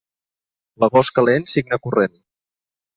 L'agost calent, cigne corrent.